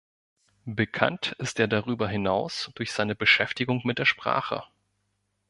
Bekannt ist er darüber hinaus durch seine Beschäftigung mit der Sprache.